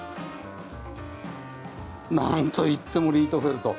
なんといってもリートフェルト。